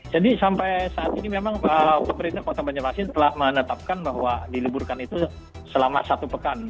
jadi sampai saat ini memang pemerintah kota banjarmasin telah menetapkan bahwa diliburkan itu selama satu pekan